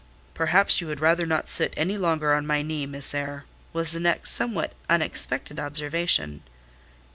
"Perhaps you would rather not sit any longer on my knee, Miss Eyre?" was the next somewhat unexpected observation.